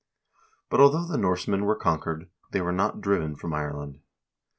But although the Norsemen were conquered, they were not driven from Ireland.